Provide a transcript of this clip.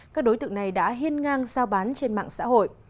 các đối tượng này đã hiên ngang giao bán trên mạng xã hội